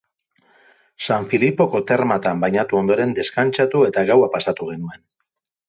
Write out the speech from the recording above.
San Filippo-ko termatan bainatu ondoren deskantsatu eta gaua pasatu genuen.